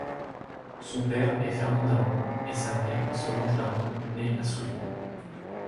Son père est Fernand Darmon et sa mère, Solange Darmon née Assouline.